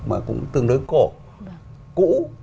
mà cũng tương đối cổ cũ